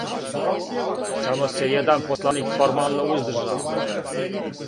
Само се један посланик формално уздржао.